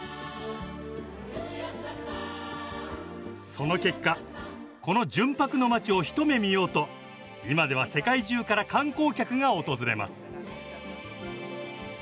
その結果この「純白の街」を一目見ようと今では世界中から観光客が訪れます。